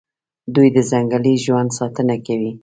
دوی د ځنګلي ژوند ساتنه کوي.